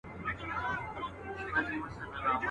خداى وركړي عجايب وه صورتونه.